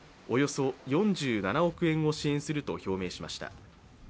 およそ４７億円を支援すると表明しました。